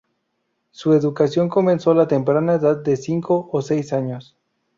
Su educación comenzó a la temprana edad de cinco o seis años.